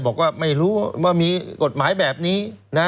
บอกว่าไม่รู้ว่ามีกฎหมายแบบนี้นะ